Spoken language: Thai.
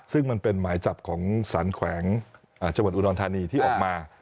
สารแขวงจบรอดอุดอลธานีที่ออกมา